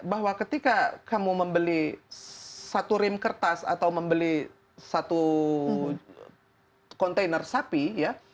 bahwa ketika kamu membeli satu rim kertas atau membeli satu kontainer sapi ya